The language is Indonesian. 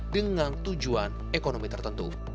dengan tujuan ekonomi tertentu